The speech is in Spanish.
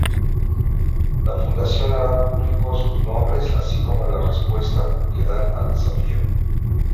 La Fundación hará públicos sus nombres, así como la respuesta que dan al Desafío.